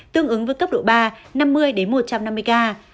tương ứng với cấp độ ba năm mươi một trăm năm mươi ca